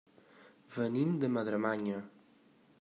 Venim de Madremanya.